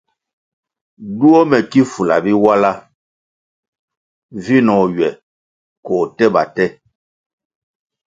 Duo mè ki fulah Biwala vinoh ywè ko tèba tè.